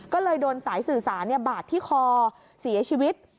ก็เลยโดนสายสื่อสารบาดที่คอเสียชีวิต